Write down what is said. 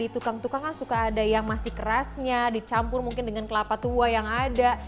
tukang tukang kan suka ada yang masih kerasnya dicampur mungkin dengan kelapa tua yang ada